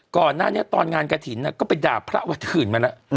ก่อนหน้านี้ตอนงานกระถิ่นก็ไปด่าพระวัดอื่นมาแล้ว